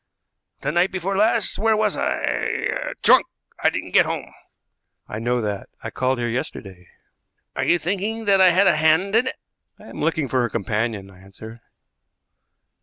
The night before last where was I? Drunk. I didn't get home." "I know that. I called here yesterday." "Are you thinking that I had a hand in it?" "I am looking for her companion," I answered.